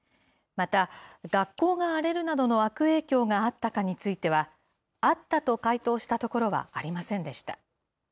また、学校が荒れるなどの悪影響があったかについては、あったと回答したところはありませんでした。